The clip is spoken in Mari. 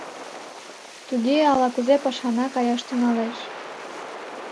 — Туге... ала-кузе пашана каяш тӱҥалеш.